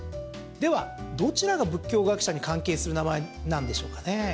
では、どちらが仏教学者に関係する名前なんでしょうかね。